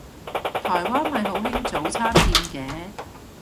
台灣咪好興早餐店嘅